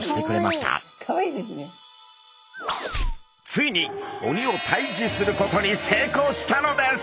ついに鬼を退治することに成功したのです！